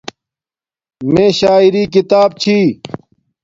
میں شاعری کتاب چھی